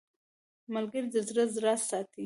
ملګری د زړه راز ساتي